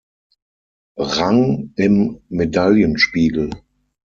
Rang im Medaillenspiegel.